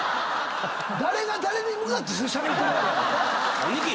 誰が誰に向かってしゃべってる⁉兄貴！